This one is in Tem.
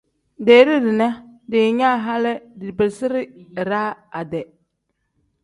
Deere dina diinyaa hali dibirisi iraa ade.